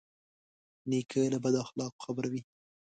نیکه له بد اخلاقو خبروي.